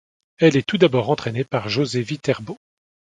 Elle est tout d'abord entraînée par José Viterbo.